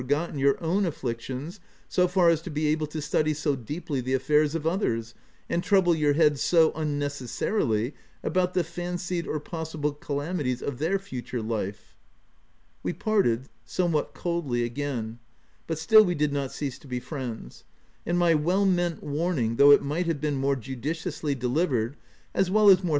gotten your own afflictions so far as to be able to study so deeply the affairs of others, and trouble your head, so unnecessarily, about the fancied or possible calamities of their future life." We parted — somewhat coldly again ; bu t still we did not cease to be friends ; and my well meant warning, though it might have been more judiciously delivered, as well as more OF WILDFELL HALL.